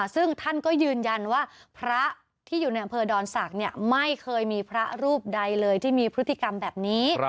ซึ่งท่านก็ยืนยันว่าพระที่อยู่ในอำเภอดอนศักดิ์ไม่เคยมีพระรูปใดเลยที่มีพฤติกรรมแบบนี้